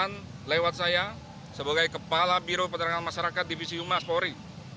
dan lewat saya sebagai kepala biro pedagang masyarakat divisi umas polri